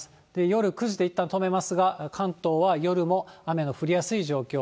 夜９時でいったん止めますが、関東は夜も雨の降りやすい状況。